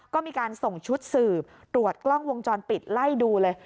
ก็มีการส่งชุดสืบตรวจกล้องวงจรปิดไล่ดูเลย